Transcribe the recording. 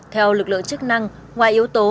theo lực lượng chức năng ngoài yếu tố